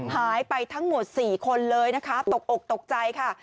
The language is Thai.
หายไปทั้งหมด๔คนเลยนะคะตกอกตกใจค่ะ